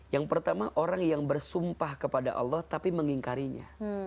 yang pertama orang yang bersumpah kepada allah tapi mengingkarinya